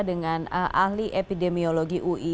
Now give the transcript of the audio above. dengan ahli epidemiologi ui